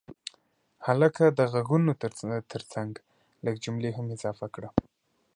هلکه د غږونو ترڅنګ لږ جملې هم اضافه کړه.